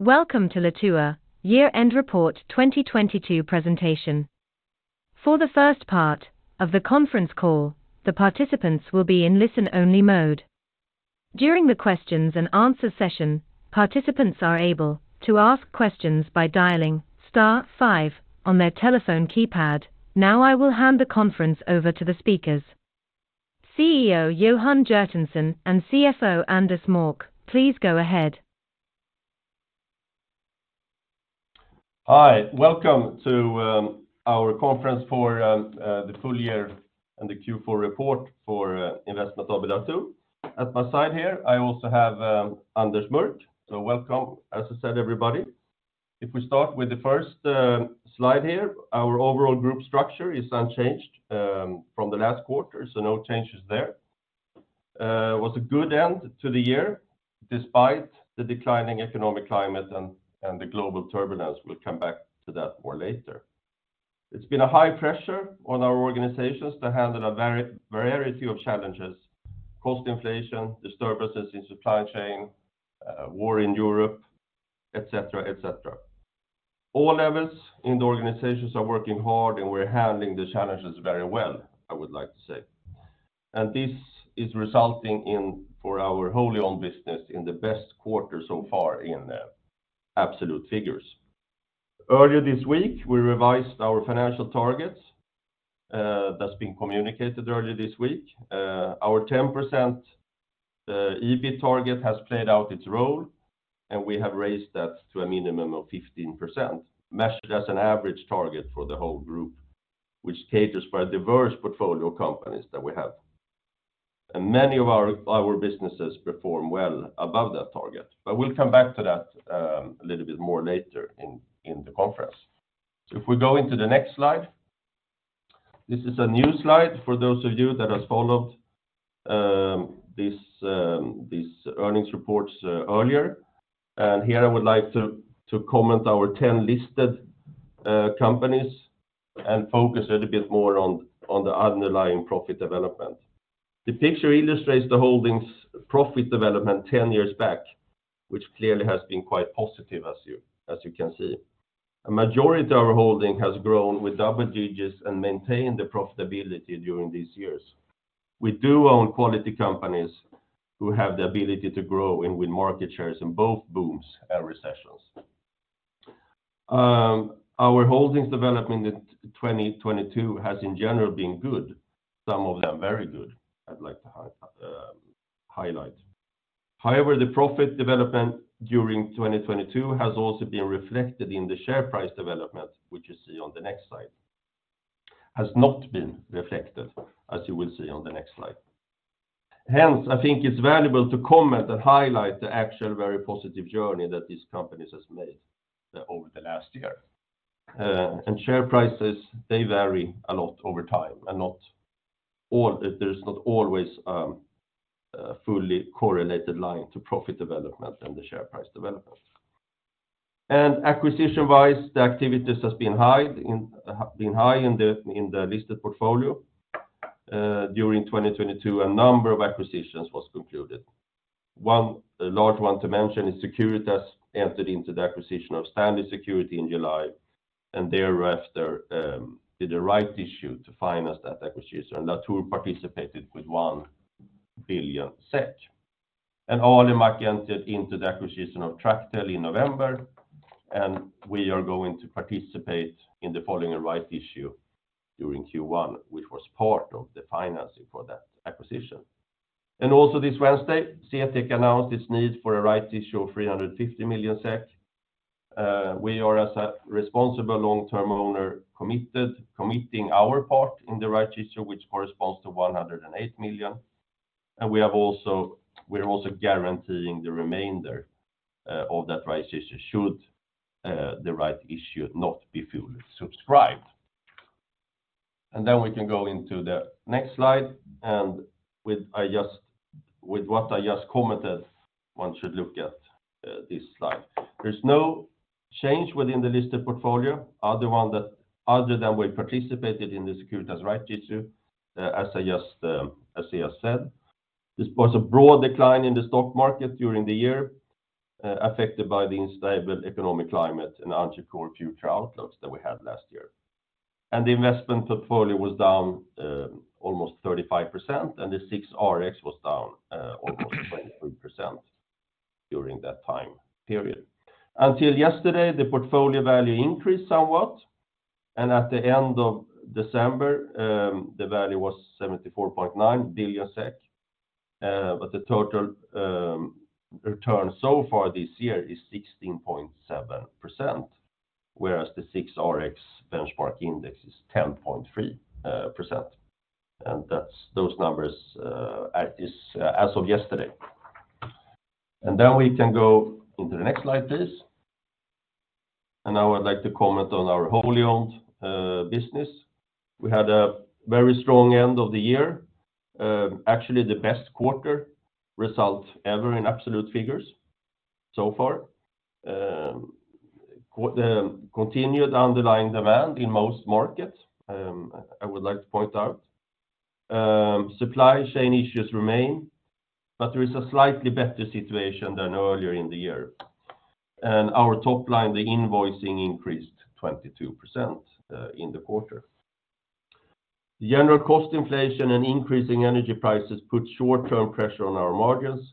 Welcome to Latour Year-End Report 2022 presentation. For the first part of the conference call, the participants will be in listen-only mode. During the questions and answer session, participants are able to ask questions by dialing star five on their telephone keypad. I will hand the conference over to the speakers, CEO Johan Hjertonsson and CFO Anders Mörck. Please go ahead. Hi. Welcome to our conference for the full-year and the Q4 report for Investment AB Latour. At my side here, I also have Anders Mörck. Welcome, as I said, everybody. If we start with the first slide here, our overall group structure is unchanged from the last quarter, no changes there. It was a good end to the year despite the declining economic climate and the global turbulence. We'll come back to that more later. It's been a high pressure on our organizations to handle a variety of challenges, cost inflation, disturbances in supply chain, war in Europe, et cetera, et cetera. All levels in the organizations are working hard, we're handling the challenges very well, I would like to say. This is resulting in, for our wholly owned business, in the best quarter so far in absolute figures. Earlier this week, we revised our financial targets. That's been communicated earlier this week. Our 10% EBIT target has played out its role, and we have raised that to a minimum of 15%, measured as an average target for the whole group, which caters for a diverse portfolio of companies that we have. Many of our businesses perform well above that target, but we'll come back to that a little bit more later in the conference. If we go into the next slide. This is a new slide for those of you that have followed these earnings reports earlier. Here I would like to comment our 10 listed companies and focus a little bit more on the underlying profit development. The picture illustrates the holdings profit development 10 years back, which clearly has been quite positive as you can see. A majority of our holding has grown with double digits and maintained the profitability during these years. We do own quality companies who have the ability to grow and win market shares in both booms and recessions. Our holdings development in 2022 has in general been good. Some of them very good, I'd like to highlight. However, the profit development during 2022 has also been reflected in the share price development, which you see on the next slide. Has not been reflected, as you will see on the next slide. Hence, I think it's valuable to comment and highlight the actual very positive journey that these companies has made over the last year. share prices, they vary a lot over time and there's not always a fully correlated line to profit development and the share price development. Acquisition-wise, the activities has been high in the listed portfolio. During 2022, a number of acquisitions was concluded. One, a large one to mention is Securitas entered into the acquisition of STANLEY Security in July, and thereafter did a right issue to finance that acquisition. Latour participated with 1 billion SEK. Alimak entered into the acquisition of Tractel in November, and we are going to participate in the following right issue during Q1, which was part of the financing for that acquisition. This Wednesday, CTEK announced its need for a right issue of 350 million SEK. We are as a responsible long-term owner committing our part in the right issue, which corresponds to 108 million. We're also guaranteeing the remainder of that right issue should the right issue not be fully subscribed. We can go into the next slide, with what I just commented, one should look at this slide. There's no change within the listed portfolio other than we participated in the Securitas right issue, as I just said. This was a broad decline in the stock market during the year, affected by the unstable economic climate and unsure future outlooks that we had last year. The investment portfolio was down almost 35%, and the SIXRX was down almost 23% during that time period. Until yesterday, the portfolio value increased somewhat, and at the end of December, the value was 74.9 billion SEK. The total return so far this year is 16.7%, whereas the SIXRX benchmark index is 10.3%. Those numbers as of yesterday. We can go into the next slide, please. I'd like to comment on our wholly owned business. We had a very strong end of the year. Actually the best quarter result ever in absolute figures so far. The continued underlying demand in most markets, I would like to point out. Supply chain issues remain, there is a slightly better situation than earlier in the year. Our top line, the invoicing increased 22% in the quarter. The general cost inflation and increasing energy prices put short-term pressure on our margins.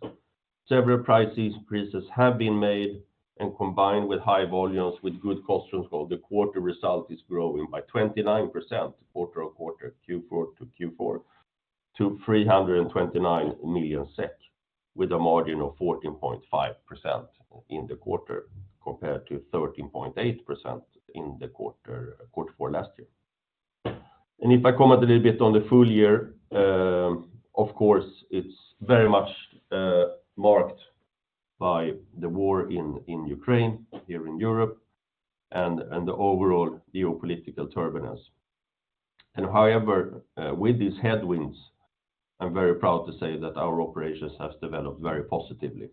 Several price increases have been made, combined with high volumes with good cost control, the quarter result is growing by 29% quarter-on-quarter Q4 to Q4 to 329 million SEK, with a margin of 14.5% in the quarter compared to 13.8% in Q4 last year. If I comment a little bit on the full-year, of course, it's very much marked by the war in Ukraine, here in Europe, and the overall geopolitical turbulence. However, with these headwinds, I'm very proud to say that our operations have developed very positively.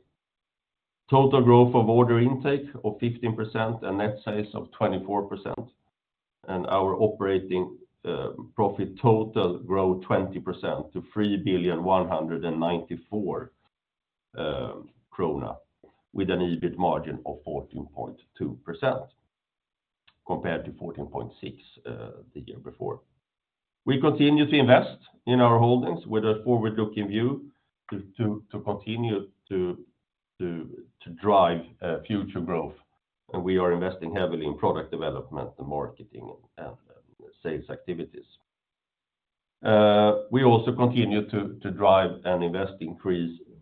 Total growth of order intake of 15% and net sales of 24%. Our operating profit total grew 20% to 3.194 billion with an EBIT margin of 14.2% compared to 14.6% the year before. We continue to invest in our holdings with a forward-looking view to continue to drive future growth, and we are investing heavily in product development and marketing and sales activities. We also continue to drive and invest increasing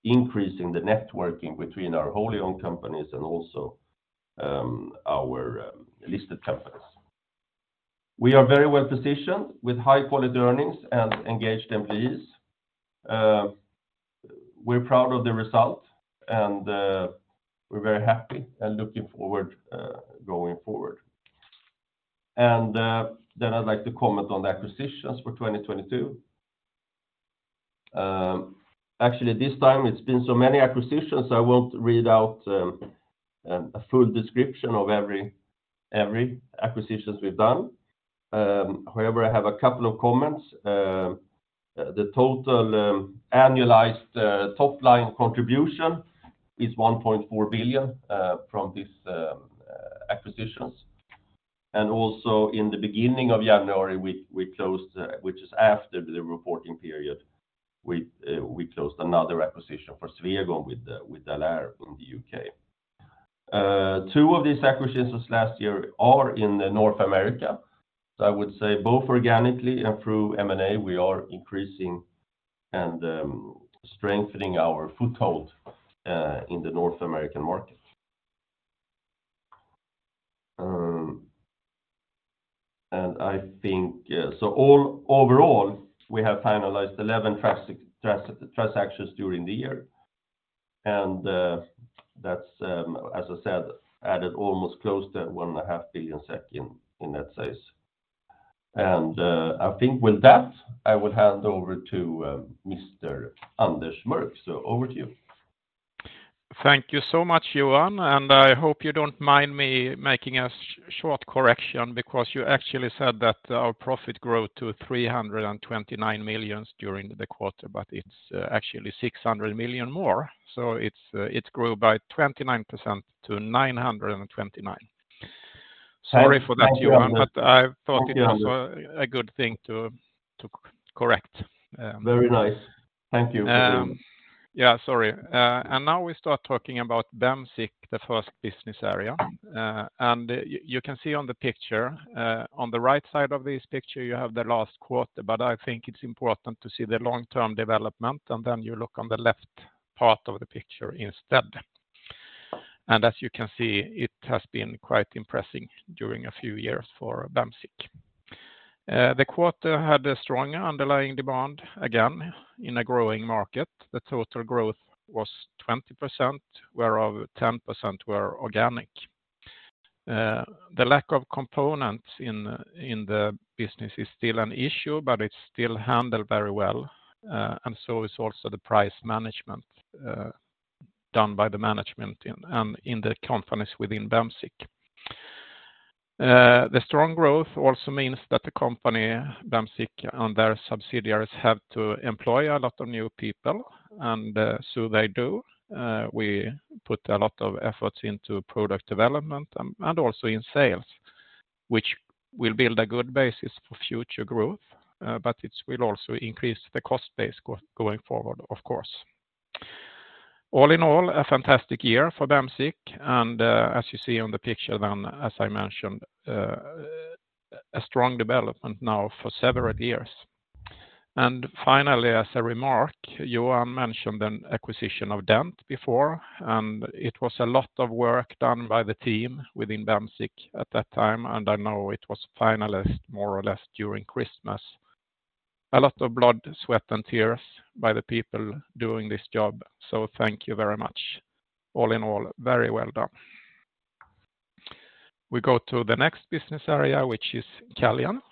the networking between our wholly owned companies and also our listed companies. We are very well-positioned with high-quality earnings and engaged employees. We're proud of the result, we're very happy and looking forward, going forward. Then I'd like to comment on the acquisitions for 2022. Actually this time it's been so many acquisitions, I won't read out a full description of every acquisitions we've done. However, I have a couple of comments. The total annualized top-line contribution is 1.4 billion from these acquisitions. Also in the beginning of January, we closed, which is after the reporting period, we closed another acquisition for Swegon with Dalair in the U.K. Two of these acquisitions last year are in North America. I would say both organically and through M&A, we are increasing and strengthening our foothold in the North American market. I think, overall we have finalized 11 transactions during the year. That's, as I said, added almost close to 1.5 billion SEK in net sales. I think with that, I would hand over to Mr. Anders Mörck. Over to you. Thank you so much, Johan. I hope you don't mind me making a short correction because you actually said that our profit grew to 329 million during the quarter, but it's actually 600 million more. It's, it grew by 29% to 929 million. Sorry for that, Johan. I thought it was a good thing to correct. Very nice. Thank you. Yeah, sorry. Now we start talking about Bemsiq, the first business area. You can see on the picture, on the right side of this picture, you have the last quarter, but I think it's important to see the long-term development, then you look on the left part of the picture instead. As you can see, it has been quite impressing during a few years for Bemsiq. The quarter had a strong underlying demand, again, in a growing market. The total growth was 20%, whereof 10% were organic. The lack of components in the business is still an issue, but it's still handled very well, and so is also the price management, done by the management in the companies within Bemsiq. The strong growth also means that the company Bemsiq and their subsidiaries have to employ a lot of new people, and, so they do. We put a lot of efforts into product development and also in sales, which will build a good basis for future growth, but it will also increase the cost base going forward, of course. All in all, a fantastic year for Bemsiq, and, as you see on the picture then, as I mentioned, a strong development now for several years. Finally, as a remark, Johan mentioned an acquisition of DENT before, and it was a lot of work done by the team within Bemsiq at that time, and I know it was finalized more or less during Christmas. A lot of blood, sweat, and tears by the people doing this job, so thank you very much. All in all, very well done. We go to the next business area, which is Caljan.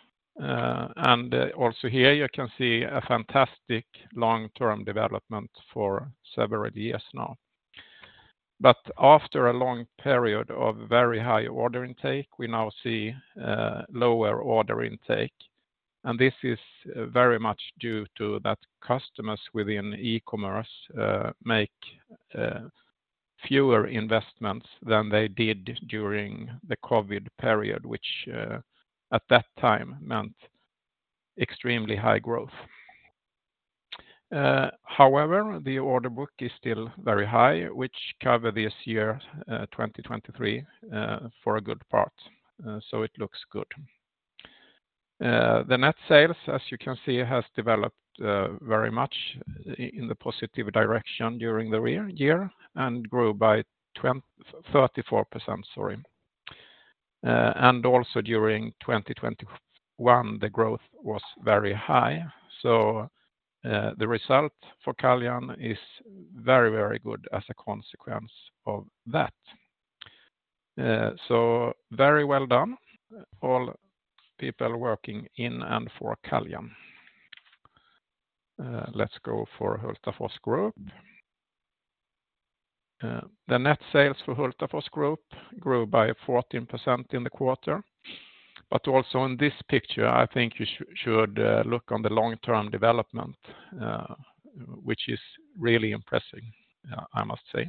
Also here you can see a fantastic long-term development for several years now. After a long period of very high order intake, we now see lower order intake, this is very much due to that customers within e-commerce make fewer investments than they did during the COVID period, which at that time meant extremely high growth. However, the order book is still very high, which cover this year, 2023, for a good part, so it looks good. The net sales, as you can see, has developed very much in the positive direction during the year, grew by 34%, sorry. Also during 2021, the growth was very high, so the result for Caljan is very, very good as a consequence of that. Very well done all people working in and for Caljan. Let's go for Hultafors Group. The net sales for Hultafors Group grew by 14% in the quarter. Also in this picture, I think you should look on the long-term development, which is really impressing, I must say.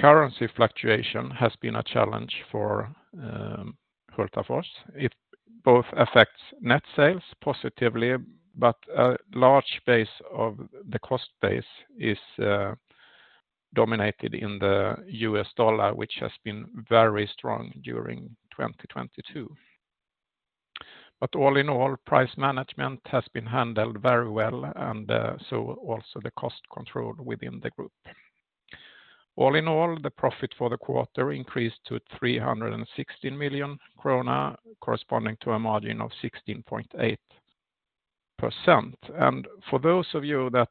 Currency fluctuation has been a challenge for Hultafors. It both affects net sales positively, but a large base of the cost base is dominated in the US dollar, which has been very strong during 2022. All in all, price management has been handled very well, and so also the cost control within the group. All in all, the profit for the quarter increased to 316 million krona, corresponding to a margin of 16.8%. For those of you that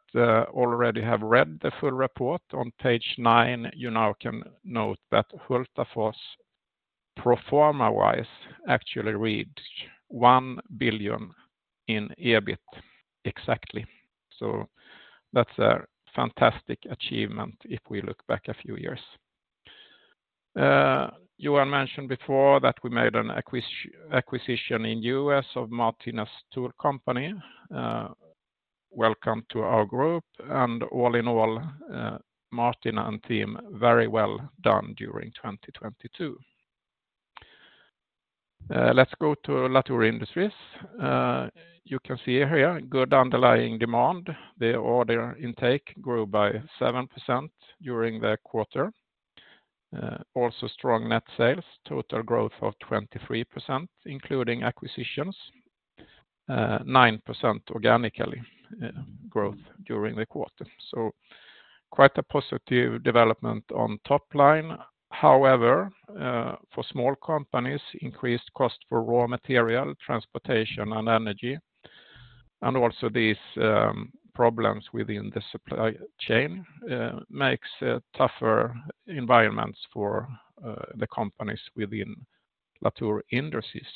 already have read the full report on page nine, you now can note that Hultafors pro forma-wise actually reached 1 billion in EBIT exactly. That's a fantastic achievement if we look back a few years. Johan mentioned before that we made an acquisition in U.S. of Martinez Tool Company. Welcome to our group and all in all, Martin and team, very well done during 2022. Let's go to Latour Industries. You can see here good underlying demand. The order intake grew by 7% during the quarter. Also strong net sales, total growth of 23%, including acquisitions, 9% organically growth during the quarter. Quite a positive development on top line. However, for small companies, increased cost for raw material, transportation, and energy, and also these problems within the supply chain, makes a tougher environment for the companies within Latour Industries.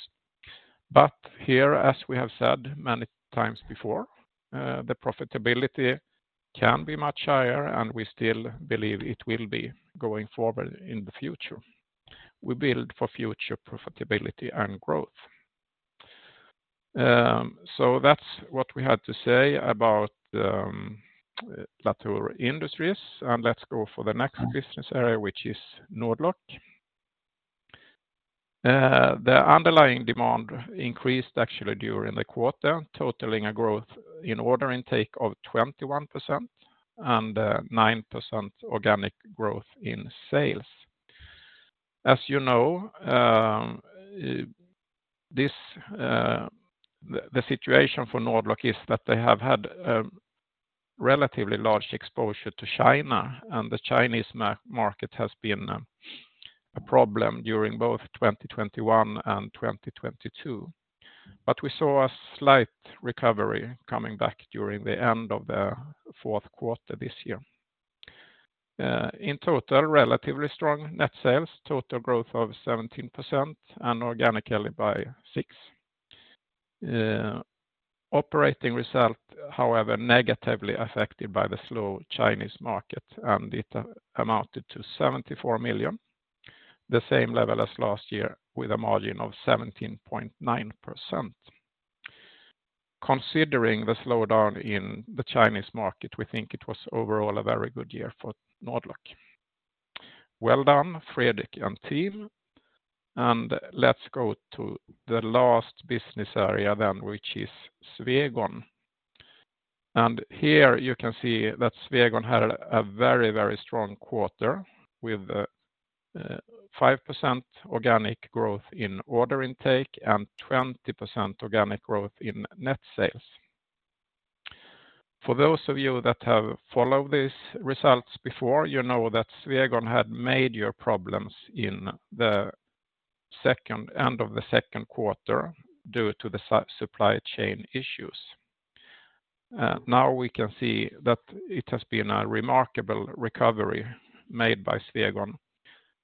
But here, as we have said many times before, the profitability can be much higher, and we still believe it will be going forward in the future. We build for future profitability and growth. That's what we had to say about Latour Industries. Let's go for the next business area, which is Nord-Lock. The underlying demand increased actually during the quarter, totaling a growth in order intake of 21% and a 9% organic growth in sales. As you know, the situation for Nord-Lock is that they have had relatively large exposure to China, and the Chinese market has been a problem during both 2021 and 2022. We saw a slight recovery coming back during the end of the fourth quarter this year. In total, relatively strong net sales, total growth of 17% and organically by 6. Operating result, however, negatively affected by the slow Chinese market, and it amounted to 74 million, the same level as last year with a margin of 17.9%. Considering the slowdown in the Chinese market, we think it was overall a very good year for Nord-Lock. Well done, Fredrik and team. Let's go to the last business area then, which is Swegon. Here you can see that Swegon had a very, very strong quarter with 5% organic growth in order intake and 20% organic growth in net sales. For those of you that have followed these results before, you know that Swegon had major problems in the second end of the second quarter due to the supply chain issues. Now we can see that it has been a remarkable recovery made by Swegon,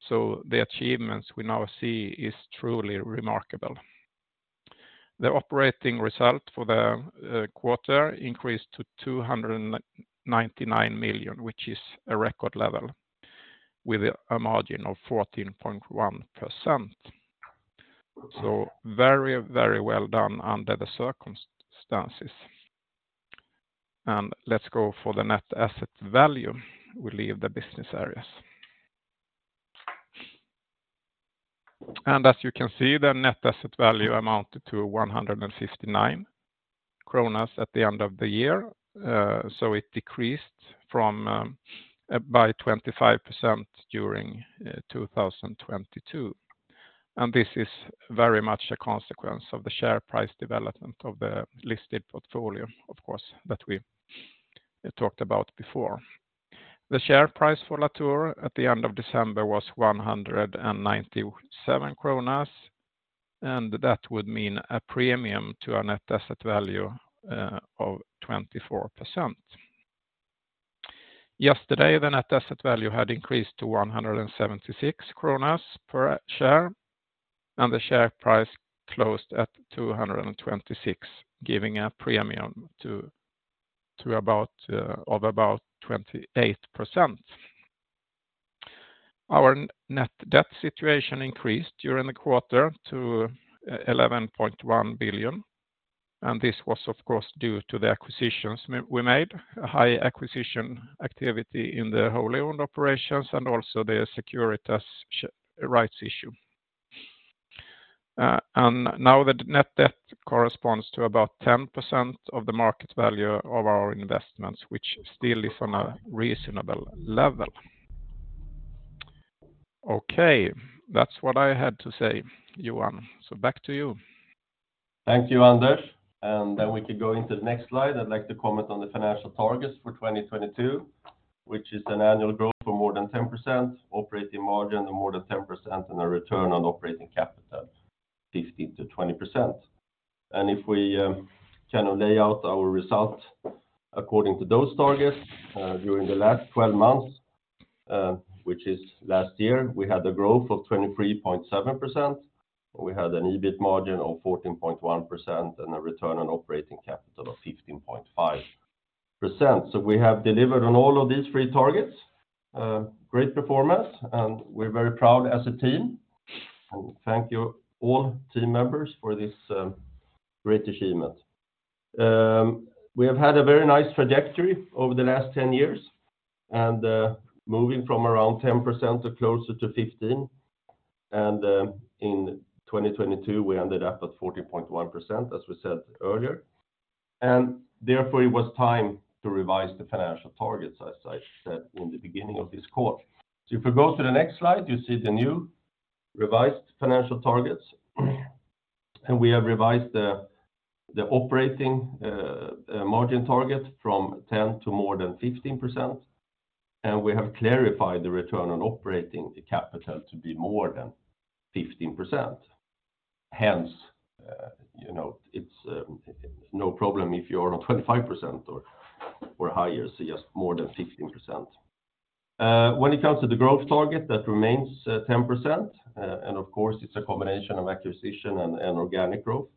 so the achievements we now see is truly remarkable. The operating result for the quarter increased to 299 million, which is a record level with a margin of 14.1%. Very, very well done under the circumstances. Let's go for the net asset value. We leave the business areas. As you can see, the net asset value amounted to 159 kronor at the end of the year, so it decreased by 25% during 2022. This is very much a consequence of the share price development of the listed portfolio, of course, that we talked about before. The share price for Latour at the end of December was 197 kronor. That would mean a premium to a net asset value of 24%. Yesterday, the net asset value had increased to 176 kronor per share. The share price closed at 226, giving a premium to about 28%. Our net debt situation increased during the quarter to 11.1 billion, this was of course due to the acquisitions we made, a high acquisition activity in the wholly-owned operations and also the Securitas rights issue. Now the net debt corresponds to about 10% of the market value of our investments, which still is on a reasonable level. Okay, that's what I had to say, Johan. Back to you. Thank you, Anders. We can go into the next slide. I'd like to comment on the financial targets for 2022, which is an annual growth of more than 10%, operating margin of more than 10%, and a return on operating capital 15%-20%. If we kind of lay out our results according to those targets, during the last 12 months, which is last year, we had a growth of 23.7%. We had an EBIT margin of 14.1% and a return on operating capital of 15.5%. We have delivered on all of these three targets, great performance, and we're very proud as a team, and thank you all team members for this great achievement. We have had a very nice trajectory over the last 10 years, moving from around 10% to closer to 15. In 2022, we ended up at 14.1%, as we said earlier. It was time to revise the financial targets, as I said in the beginning of this call. If we go to the next slide, you see the new revised financial targets. We have revised the operating margin target from 10 to more than 15%, and we have clarified the return on operating capital to be more than 15%. Hence, you know, it's no problem if you're on 25% or higher, so yes, more than 15%. When it comes to the growth target, that remains 10%. Of course, it's a combination of acquisition and organic growth.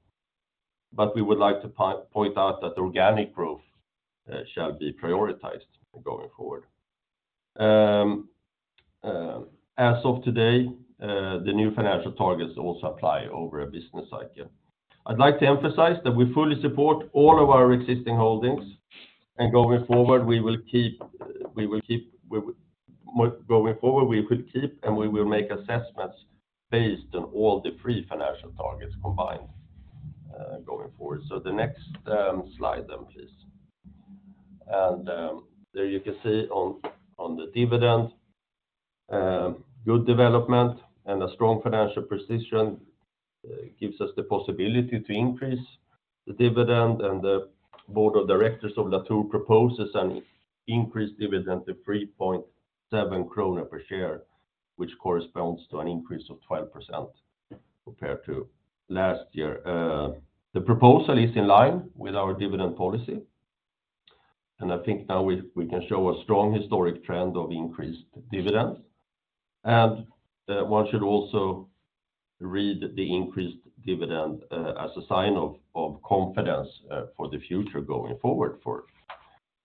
We would like to point out that organic growth shall be prioritized going forward. As of today, the new financial targets also apply over a business cycle. I'd like to emphasize that we fully support all of our existing holdings, going forward, we will keep, and we will make assessments based on all the three financial targets combined, going forward. The next slide, please. There you can see on the dividend, good development and a strong financial position gives us the possibility to increase the dividend. The board of directors of Latour proposes an increased dividend to 3.7 krona per share, which corresponds to an increase of 12% compared to last year. The proposal is in line with our dividend policy, and I think now we can show a strong historic trend of increased dividends. One should also read the increased dividend as a sign of confidence for the future going forward for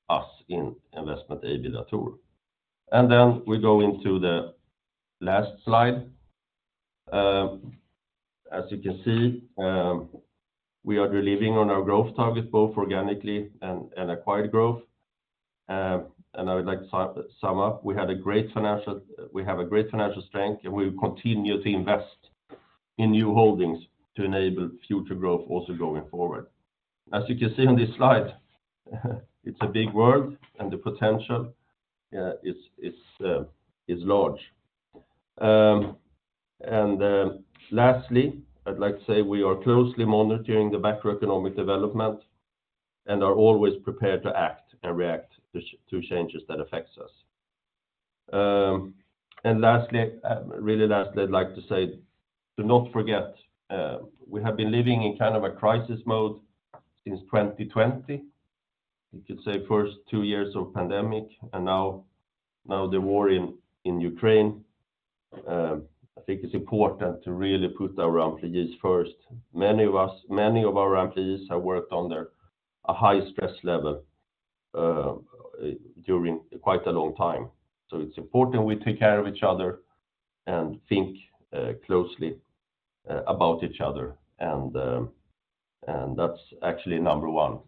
us in Investment AB Latour. We go into the last slide. As you can see, we are delivering on our growth target, both organically and acquired growth. I would like to sum up, we have a great financial strength, and we will continue to invest in new holdings to enable future growth also going forward. As you can see on this slide, it's a big world and the potential is large. Lastly, I'd like to say we are closely monitoring the macroeconomic development and are always prepared to act and react to changes that affects us. Lastly, really lastly I'd like to say, do not forget, we have been living in kind of a crisis mode since 2020. You could say first two years of pandemic, and now the war in Ukraine. I think it's important to really put our employees first. Many of our employees have worked under a high stress level during quite a long time. It's important we take care of each other and think closely about each other, and that's actually number one.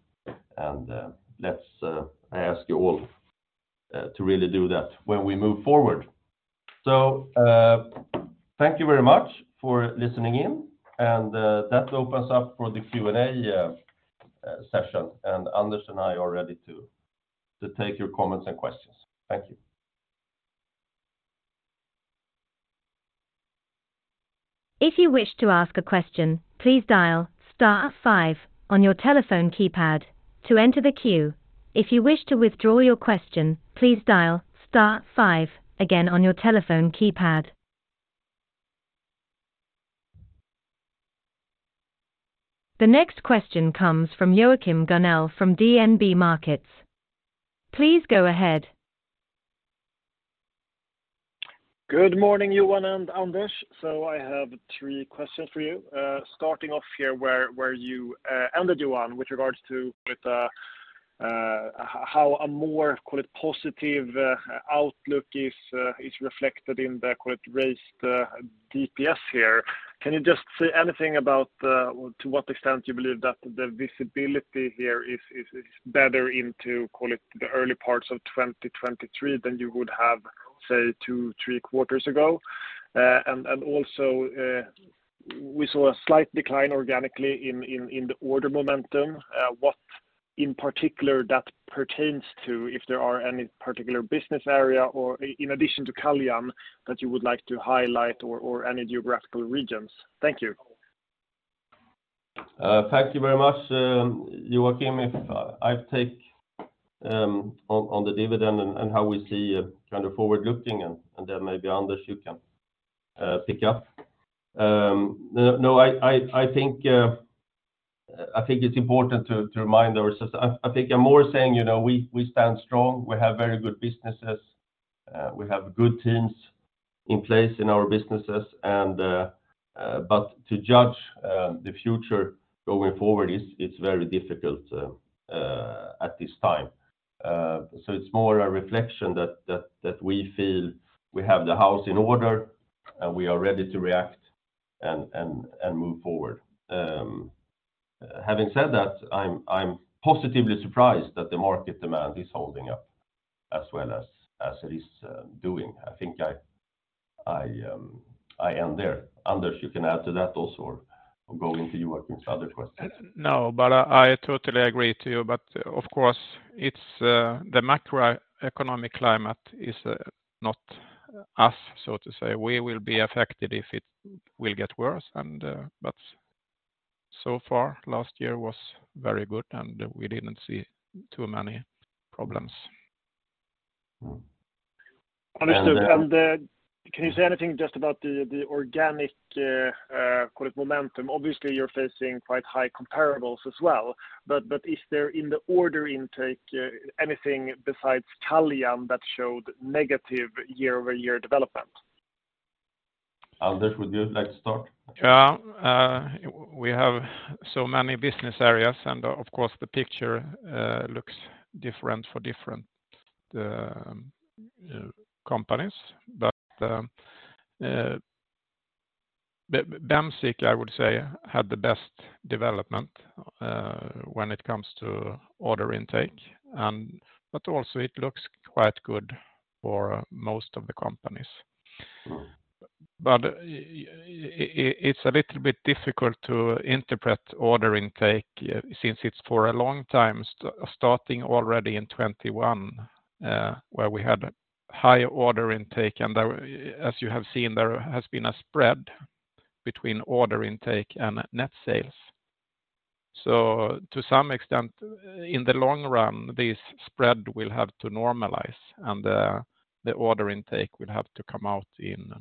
Let's, I ask you all, to really do that when we move forward. Thank you very much for listening in. That opens up for the Q&A session. Anders and I are ready to take your comments and questions. Thank you. If you wish to ask a question, please dial star five on your telephone keypad to enter the queue. If you wish to withdraw your question, please dial star five again on your telephone keypad. The next question comes from Joachim Gunell from DNB Markets. Please go ahead. Good morning, Johan and Anders. I have three questions for you. Starting off here where you ended, Johan, with regards to, how a more, call it, positive, outlook is reflected in the, call it, raised DPS here. Can you just say anything about to what extent you believe that the visibility here is better into, call it, the early parts of 2023 than you would have, say, two, three quarters ago? And also, we saw a slight decline organically in the order momentum. What in particular that pertains to, if there are any particular business area or in addition to Caljan that you would like to highlight or any geographical regions? Thank you. Thank you very much, Joachim. If I take on the dividend and how we see kind of forward looking and then maybe Anders Mörck you can pick up. No, I think it's important to remind ourselves. I think I'm more saying, you know, we stand strong. We have very good businesses. We have good teams in place in our businesses and but to judge the future going forward is, it's very difficult at this time. It's more a reflection that we feel we have the house in order and we are ready to react and move forward. Having said that, I'm positively surprised that the market demand is holding up as well as it is doing. I think I end there. Anders, you can add to that also, or go into Joachim's other questions. No, I totally agree to you. Of course, it's the macroeconomic climate is not us, so to say. We will be affected if it will get worse and, but so far last year was very good and we didn't see too many problems. Understood. And, uh- Can you say anything just about the organic, call it momentum? Obviously, you're facing quite high comparables as well, but is there in the order intake, anything besides Caljan that showed negative year-over-year development? Anders, would you like to start? We have so many business areas and of course, the picture looks different for different companies. Bemsiq, I would say, had the best development when it comes to order intake, but also it looks quite good for most of the companies. Mm-hmm. It's a little bit difficult to interpret order intake since it's for a long time, starting already in 2021, where we had high order intake. There, as you have seen, there has been a spread between order intake and net sales. To some extent, in the long run, this spread will have to normalize and the order intake will have to come out in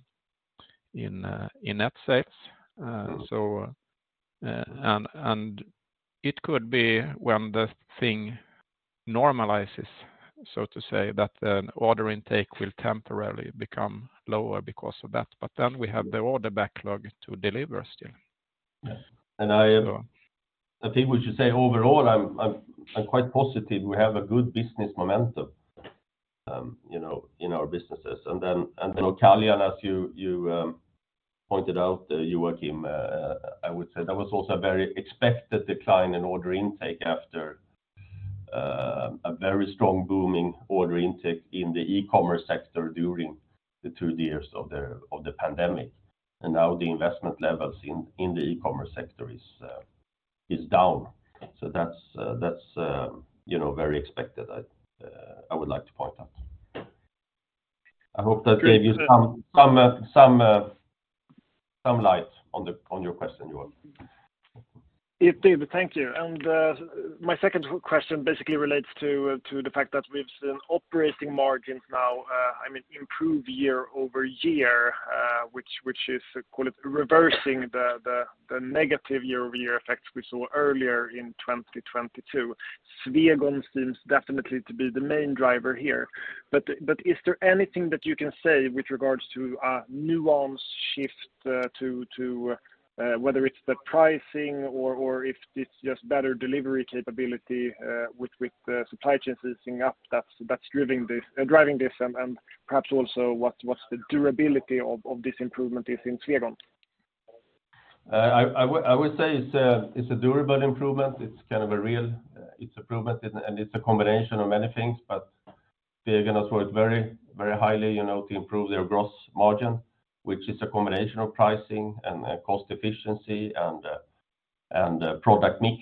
net sales. And it could be when the thing normalizes, so to say, that an order intake will temporarily become lower because of that. Then we have the order backlog to deliver still. Yes. So... I think we should say overall, I'm quite positive we have a good business momentum, you know, in our businesses. Then Caljan, as you pointed out, Joachim, I would say that was also a very expected decline in order intake after a very strong booming order intake in the e-commerce sector during the 2 years of the pandemic. Now the investment levels in the e-commerce sector is down. That's, you know, very expected, I would like to point out. I hope that gave you some light on your question, Joachim. It did. Thank you. My second question basically relates to the fact that we've seen operating margins now, I mean, improve year-over-year, which is, call it reversing the negative year-over-year effects we saw earlier in 2022. Swegon seems definitely to be the main driver here. Is there anything that you can say with regards to a nuance shift, whether it's the pricing or if it's just better delivery capability, with the supply chain easing up that's driving this and perhaps also what's the durability of this improvement is in Swegon? I would say it's a durable improvement. It's kind of a real improvement and it's a combination of many things. Swegon has worked very highly, you know, to improve their gross margin, which is a combination of pricing and cost efficiency and product mix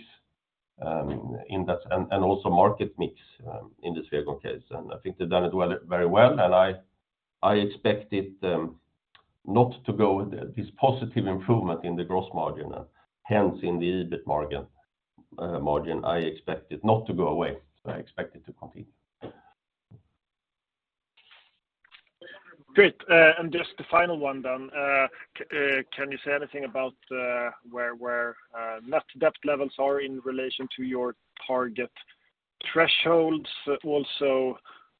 in that and also market mix in the Swegon case. I think they've done it very well. I expect it not to go this positive improvement in the gross margin and hence in the EBIT margin, I expect it not to go away. I expect it to continue. Great. Just the final one then. Can you say anything about where net debt levels are in relation to your target thresholds? Also,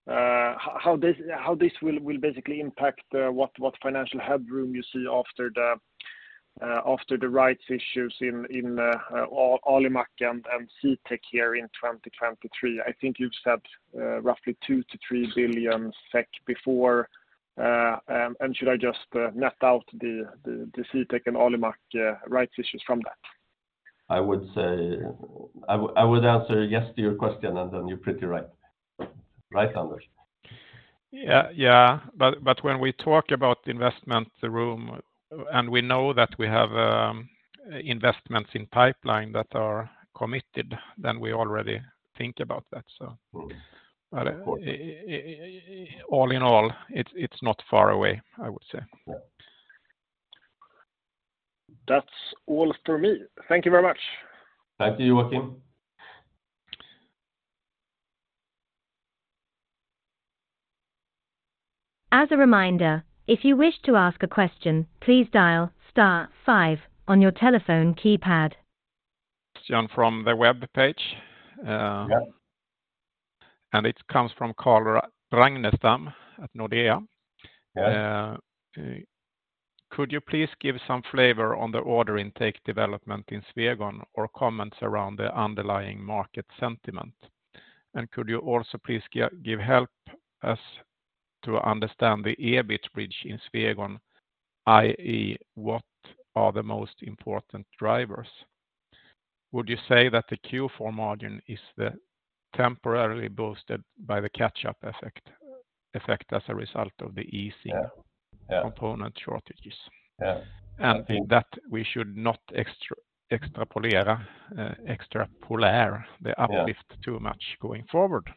how this will basically impact what financial headroom you see after the rights issues in Alimak and CTEK here in 2023? I think you've said roughly 2 billion-3 billion SEK before. Should I just net out the CTEK and Alimak rights issues from that? I would say, I would answer yes to your question, and then you're pretty right. Right, Anders? Yeah. Yeah. When we talk about investment room, and we know that we have investments in pipeline that are committed, then we already think about that, so. Mm-hmm. All in all, it's not far away, I would say. Yeah. That's all for me. Thank you very much. Thank you, Joachim. As a reminder, if you wish to ask a question, please dial star five on your telephone keypad. Johan, from the webpage. Yeah. It comes from Carl Ragnerstam at Nordea. Yeah. Could you please give some flavor on the order intake development in Swegon or comments around the underlying market sentiment? Could you also please help us to understand the EBIT bridge in Swegon, i.e., what are the most important drivers? Would you say that the Q4 margin is the temporarily boosted by the catch-up effect as a result of the. Yeah, yeah. component shortages? Yeah. In that we should not extrapolate. Yeah... the uplift too much going forward.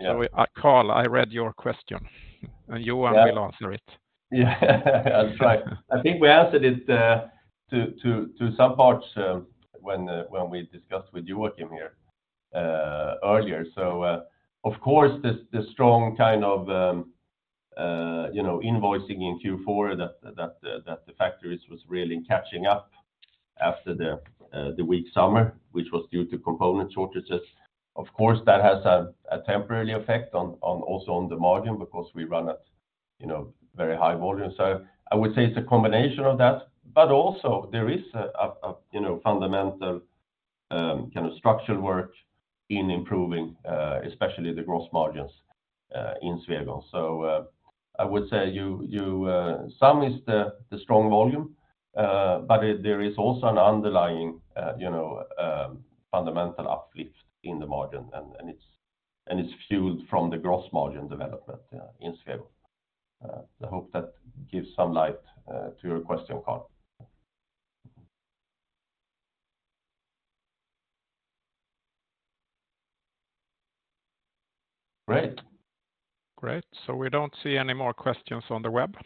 Yeah. Carl, I read your question, and Johan will answer it. Yeah. I'll try. I think we answered it to some parts when we discussed with Joachim here earlier. Of course, this, the strong kind of, you know, invoicing in Q4 that the factories was really catching up after the weak summer, which was due to component shortages. Of course, that has a temporary effect on also on the margin because we run at, you know, very high volume. I would say it's a combination of that, but also there is a, you know, fundamental, kind of structural work in improving, especially the gross margins in Swegon. I would say you, some is the strong volume, but there is also an underlying, you know, fundamental uplift in the margin and it's fueled from the gross margin development, yeah, in Swegon. I hope that gives some light to your question, Carl. Great. Great. We don't see any more questions on the web.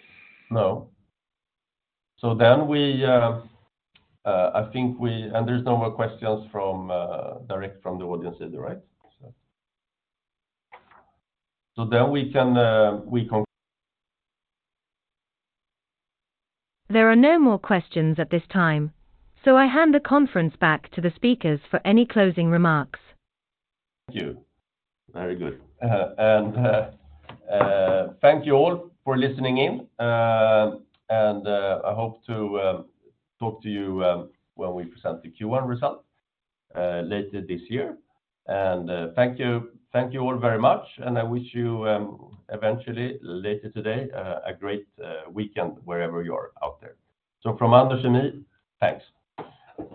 I think we... There's no more questions from direct from the audience, is right? We can. There are no more questions at this time, so I hand the conference back to the speakers for any closing remarks. ood. Thank you all for listening in. I hope to talk to you when we present the Q1 result later this year. Thank you all very much, and I wish you eventually, later today, a great weekend wherever you are out there. From Anders and me, thanks